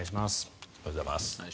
おはようございます。